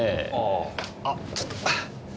あぁあっちょっと。